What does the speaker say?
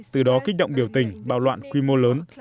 từ đó kích động biểu tình bạo loạn quy mô lớn